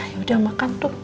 ya udah makan tuh